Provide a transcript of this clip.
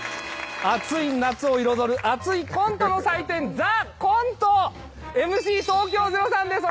暑い夏を彩る熱いコントの祭典『ＴＨＥＣＯＮＴＥ』ＭＣ東京０３です。